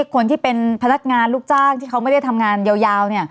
คนที่เป็นพนักงานลูกจ้างที่เขาไม่ได้ทำงานยาว